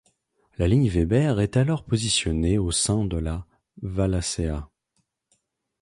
La ligne Weber est alors positionnée au sein de la Wallacea.